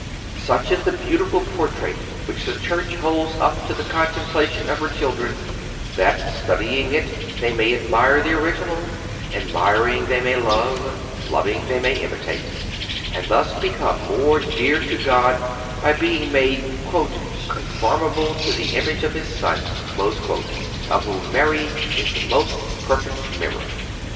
Such is the beautiful portrait which the Church holds up to the contemplation of her children, that studying it they may admire the original, admiring they may love, loving they may imitate, and thus become more dear to God by being made "conformable to the image of His Son,"(273) of whom Mary is the most perfect mirror.